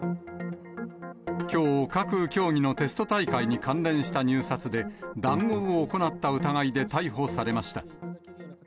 きょう、各競技のテスト大会に関連した入札で、談合を行った疑いで逮捕されました。